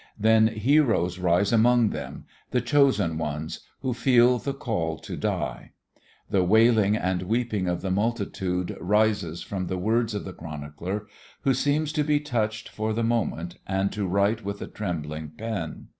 Then heroes rise among them, the chosen ones, who feel the call to die. The wailing and weeping of the multitude rises from the words of the chronicler, who seems to be touched for the moment and to write with a trembling pen.